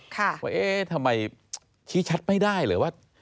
ค่ะค่ะว่าทำไมชิ้นชัดไม่ได้หรือว่า